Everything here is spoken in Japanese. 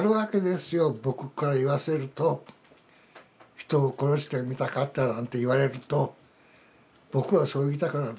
「人を殺してみたかった」なんて言われると僕はそう言いたくなる。